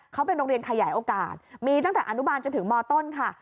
เขาเป็นโรงเรียนขยายโอกาสมีตั้งแต่อนุบาลจนถึงมต้นค่ะ